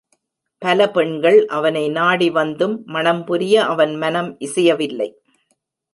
பல பெண்கள் அவனை நாடி வந்தும், மணம்புரிய அவன் மனம் இசையவில்லை.